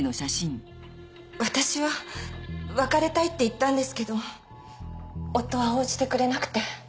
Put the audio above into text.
私は別れたいって言ったんですけど夫は応じてくれなくて。